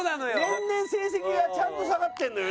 年々成績がちゃんと下がってるのよね